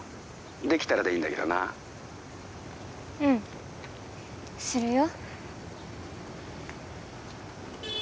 できたらでいいんだけどなうんするよ